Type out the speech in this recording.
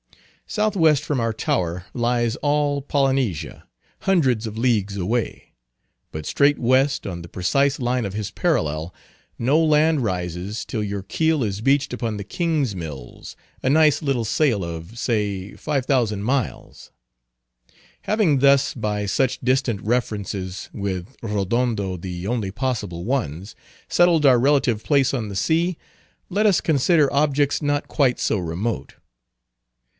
Southwest from our tower lies all Polynesia, hundreds of leagues away; but straight west, on the precise line of his parallel, no land rises till your keel is beached upon the Kingsmills, a nice little sail of, say 5000 miles. Having thus by such distant references—with Rodondo the only possible ones—settled our relative place on the sea, let us consider objects not quite so remote.